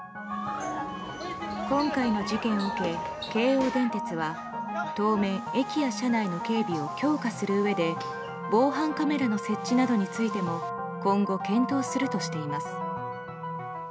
今回の事件を受け、京王電鉄は当面、駅や車内の警備を強化するうえで防犯カメラの設置などについても今後検討するとしています。